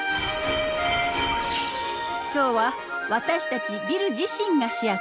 今日は私たちビル自身が主役！